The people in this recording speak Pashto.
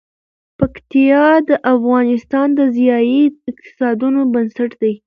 پکتیا د افغانستان د ځایي اقتصادونو بنسټ دی.